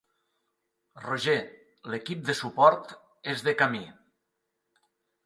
Roger, l'equip de suport és de camí.